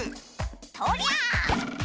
とりゃあ！